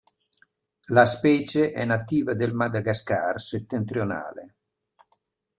La specie è nativa del Madagascar settentrionale.